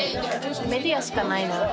メディアしかないな。